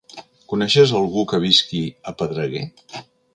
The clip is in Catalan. Coneixes algú que visqui a Pedreguer?